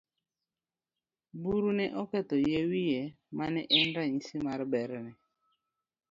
Buru ne oketho yie wiye mane en ranyisi mar berne.